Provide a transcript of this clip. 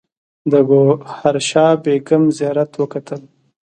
د ګوهر شاد بیګم زیارت وکتل.